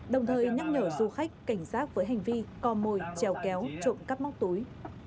đồng thời nhắc nhở du khách cảnh giác với hành vi co mồi trèo kéo trộn cắp móc túi